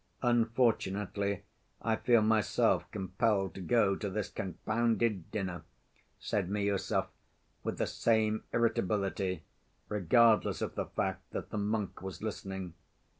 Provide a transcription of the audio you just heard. "Unfortunately I feel myself compelled to go to this confounded dinner," said Miüsov with the same irritability, regardless of the fact that the monk was listening.